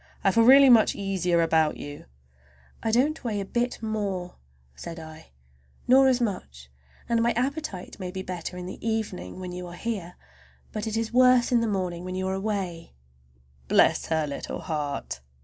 I feel really much easier about you." "I don't weigh a bit more," said I, "nor as much; and my appetite may be better in the evening, when you are here, but it is worse in the morning when you are away." "Bless her little heart!"